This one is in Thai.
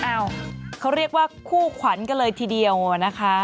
อ้าวเขาเรียกว่าคู่ขวัญกันเลยทีเดียวนะคะ